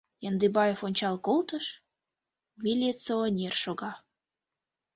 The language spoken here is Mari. Яндыбаев ончал колтыш — милиционер шога.